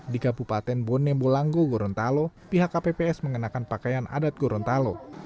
di kabupaten bone bolango gorontalo pihak kpps mengenakan pakaian adat gorontalo